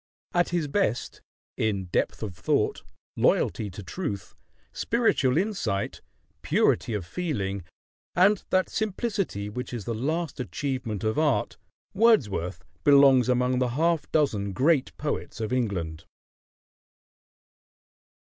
At his best, in depth of thought, loyalty to truth, spiritual insight, purity of feeling, and that simplicity which is the last achievement of art, Wordsworth belongs among the half dozen great poets of England.